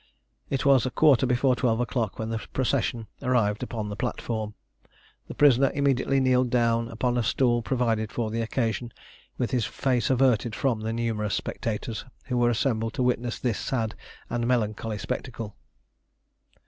It was a quarter before twelve o'clock when the procession arrived upon the platform. The prisoner immediately kneeled down upon a stool provided for the occasion, with his face averted from the numerous spectators, who were assembled to witness this sad and melancholy spectacle.